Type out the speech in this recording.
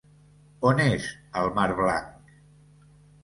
On és el mar Blanc?